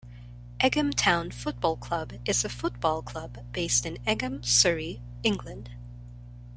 Egham Town Football Club is a football club based in Egham, Surrey, England.